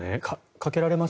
かけられます？